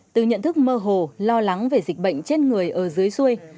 từ nhận thức mơ hồ lo lắng về dịch bệnh trên người ở dưới xuôi